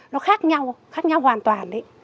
nó khác nhau khác nhau hoàn toàn đấy